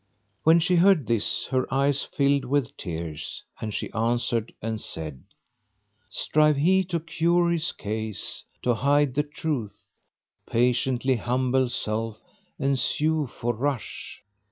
When she heard this, her eyes filled with tears and she answered and said, "Strive he to cure his case, to hide the truth, * Patiently humble self and sue for rush!"